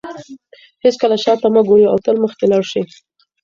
هیڅکله شاته مه ګورئ او تل مخکې لاړ شئ.